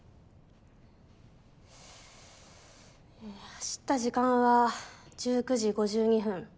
走った時間は１９時５２分。